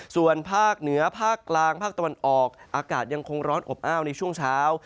ส่วนภาคเหนือภาคกลางภาคตะวันออกอากาศยังคงร้อนอบอ้าวในช่วงเช้า